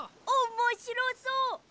おもしろそう！